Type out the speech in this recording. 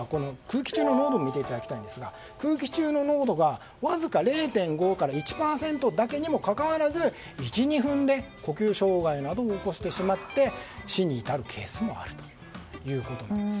更に怖いのは空気中の濃度が、わずか０．５から１％にもかかわらず１２分で呼吸障害などを起こしてしまって死に至るケースもあるということなんです。